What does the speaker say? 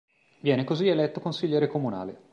Viene così eletto consigliere comunale.